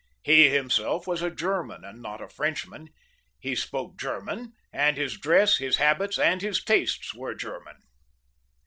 He himself was a Grerman and not a Frenchman; he spoke German, and his dress, his habits, and his tastes, were German.